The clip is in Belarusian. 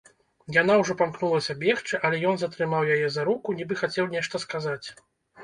Яна ўжо памкнулася бегчы, але ён затрымаў яе за руку, нібы хацеў нешта сказаць.